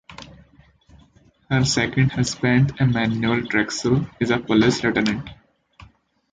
Her second husband, Emmanuel Traxel, is a police lieutenant.